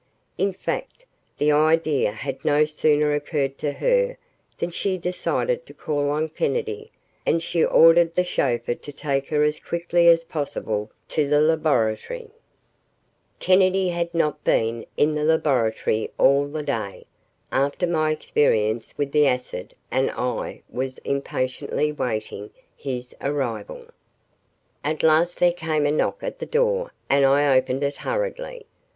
In fact, the idea had no sooner occurred to her than she decided to call on Kennedy and she ordered the chauffeur to take her as quickly as possible to the laboratory. ........ Kennedy had not been in the laboratory all the day, after my experience with the acid and I was impatiently awaiting his arrival. At last there came a knock at the door and I opened it hurriedly.